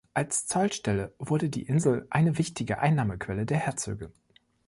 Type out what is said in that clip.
Als Zollstelle wurde die Insel eine wichtige Einnahmequelle der Herzöge.